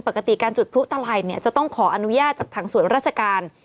ปกติการจุดพลุตลัยเนี่ยจะต้องขออนุญาตจากทางส่วนราชการ